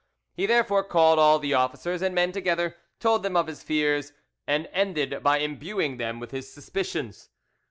He therefore called all the officers and men together, told them of his fears, and ended by imbuing them with his suspicions.